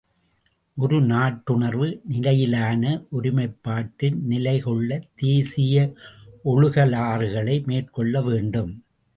ஒரு நாட்டுணர்வு நிலையிலான ஒருமைப்பாட்டில் நிலை கொள்ள தேசிய ஒழுகலாறுகளை மேற்கொள்ள வேண்டும்.